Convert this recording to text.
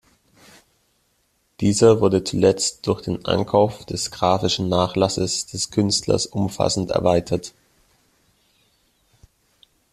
Dieser wurde zuletzt durch den Ankauf des grafischen Nachlasses des Künstlers umfassend erweitert.